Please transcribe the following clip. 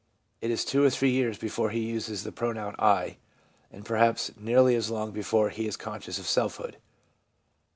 It is two or three years before he uses the pronoun ' 1/ and perhaps nearly as long before he is conscious of his selfhood.